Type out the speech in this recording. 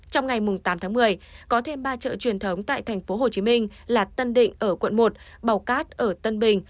trong ngày tám tháng một mươi có thêm ba chợ truyền thống tại tp hcm là tân định ở quận một bào cát ở tân bình